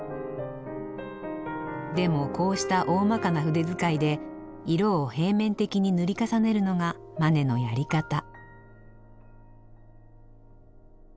でもこうしたおおまかな筆遣いで色を平面的に塗り重ねるのがマネのやり方。